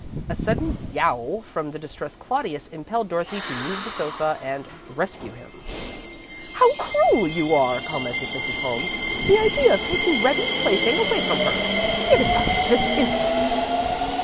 A sudden yowl from the distressed Claudius impelled Dorothy to move the sofa and rescue him. "How cruel you are!" commented Mrs. Holmes. "The idea of taking Rebbie's plaything away from her! Give it back this instant!"